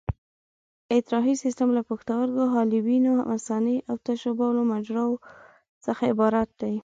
اطراحي سیستم له پښتورګو، حالبینو، مثانې او د تشو بولو مجراوو څخه عبارت دی.